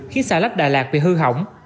khiến xà lách đà lạt bị hư hỏng